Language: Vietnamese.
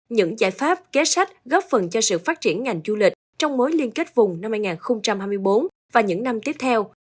những giải pháp kế sách góp phần cho sự phát triển ngành du lịch trong mối liên kết vùng năm hai nghìn hai mươi bốn và những năm tiếp theo